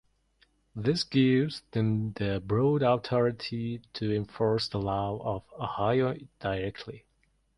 This gives them the broad authority to enforce the laws of Ohio directly.